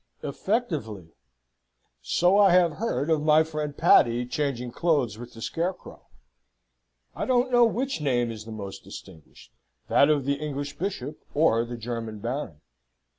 "Effectively! So I have heard of my friend Paddy changing clothes with the scarecrow. I don't know which name is the most distinguished, that of the English bishop or the German baron."